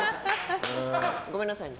ごめんなさいね。